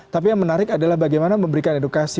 tapi yang menarik adalah bagaimana memberikan edukasi